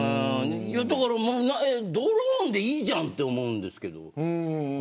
ドローンでいいじゃんと思うんですけれど。